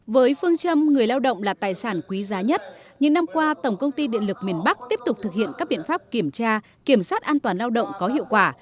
với phương châm người lao động là tài sản quý giá nhất những năm qua tổng công ty điện lực miền bắc tiếp tục thực hiện các biện pháp kiểm tra kiểm soát an toàn lao động có hiệu quả